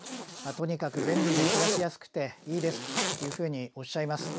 「とにかく便利で暮らしやすくていいです」というふうにおっしゃいます。